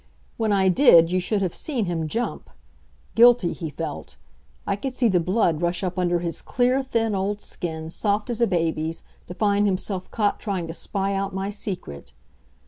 When I did, you should have seen him jump. Guilty he felt. I could see the blood rush up under his clear, thin old skin, soft as a baby's, to find himself caught trying to spy out my secret.